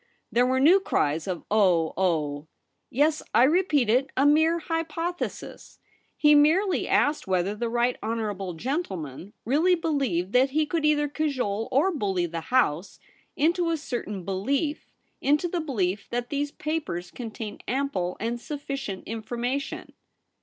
There were new cries of * Oh, oh !'' Yes, I repeat it ; a mere hypothesis. He merely asked whether the right honourable gentle man really believed that he could either cajole or bully the House into a certain belief — into the belief that these papers contain ample and sufficient information.'